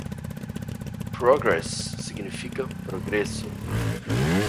Progress significa "progreso".